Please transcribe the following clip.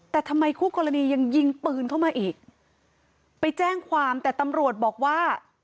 แต่ทำไมคู่กรณียังยิงปืนเข้ามาอีกไปแจ้งความแต่ตำรวจบอกว่า